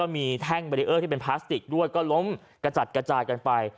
มีแท่งเบรีเออร์ที่เป็นพลาสติกด้วยก็ล้มกระจัดกระจายกันไป